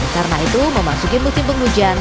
karena itu memasuki musim penghujan